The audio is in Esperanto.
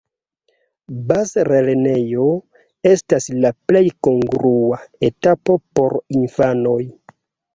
Bazlernejo estas la plej kongrua etapo por infanoj.